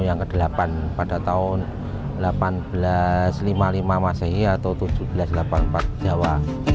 yang berumur seribu delapan ratus lima puluh delapan pada tahun seribu delapan ratus lima puluh lima masehi atau seribu tujuh ratus delapan puluh empat jawa